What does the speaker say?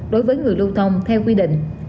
đối với người lưu thông theo quy định